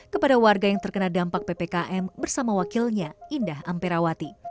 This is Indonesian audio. kepada warga yang terkena dampak ppkm bersama wakilnya indah amperawati